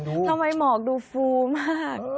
ทำไมเหมาะดูฟูมาก